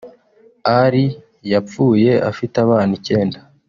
Ali yapfuye afite abana icyenda